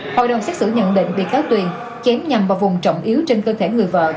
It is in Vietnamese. hội đồng xét xử nhận định bị cáo tuyền chém nhằm vào vùng trọng yếu trên cơ thể người vợ